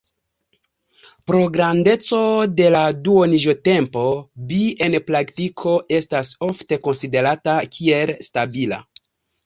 Pro grandeco de la duoniĝotempo, Bi en praktiko estas ofte konsiderata kiel stabila.